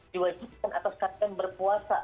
diwajibkan atau saat yang berpuasa